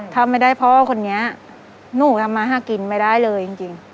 ถ้าไม่ได้พ่อคนนี้หนูทำมาหากินไม่ได้เลยจริง